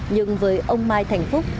nhưng với ông mai thành phúc